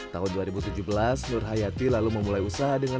tahun dua ribu tujuh belas nur hayati lalu memulai usaha dengan